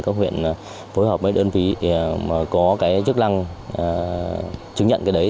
các huyện phối hợp với đơn phí có chức lăng chứng nhận cái đấy